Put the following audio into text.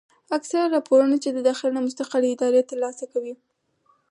اکثره راپورنه چې د داخل نه مستقلې ادارې تر لاسه کوي